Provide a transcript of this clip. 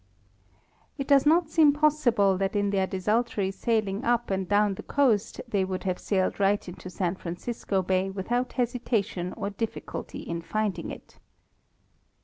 It does not seem possible that in their desultory sailing up and down the coast they would have sailed right into San Fran cisco bay without hesitation or difficulty in finding it.